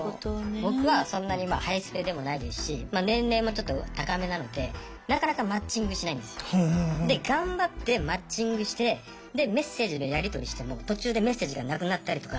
僕はそんなにまあハイスペでもないですし年齢もちょっと高めなのでなかなかマッチングしないんですよ。で頑張ってマッチングしてでメッセージのやりとりしても途中でメッセージがなくなったりとか。